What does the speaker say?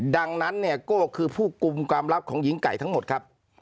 ดังนั้นเนี่ยโก้คือผู้กลุ่มความลับของหญิงไก่ทั้งหมดครับ